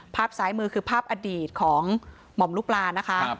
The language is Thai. ภาพซ้ายมือคือภาพอดีตของหม่อมลูกปลานะคะ